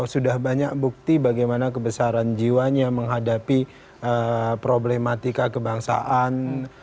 sudah banyak bukti bagaimana kebesaran jiwanya menghadapi problematika kebangsaan